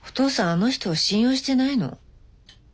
あの人を信用してないの？